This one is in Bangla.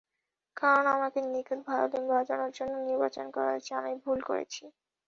কারণ আমাকে নিঁখুত ভায়োলিন বাজানোর জন্য নির্বাচন করা হয়েছে এবং আমি ভুল করেছি।